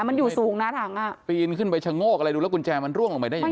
มันอยู่สูงนะถังอ่ะปีนขึ้นไปชะโงกอะไรดูแล้วกุญแจมันร่วงลงไปได้ยังไง